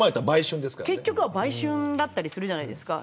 結局は売春だったりするじゃないですか。